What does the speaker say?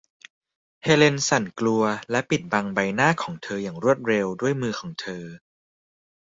เฮเลนสั่นกลัวและปิดบังใบหน้าของเธออย่างรวดเร็วด้วยมือของเธอ